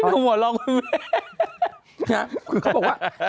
เพื่อนก็หัวเราะคุณแม่